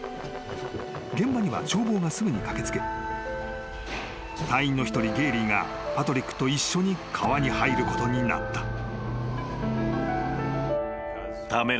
［現場には消防がすぐに駆け付け隊員の一人ゲーリーがパトリックと一緒に川に入ることになった］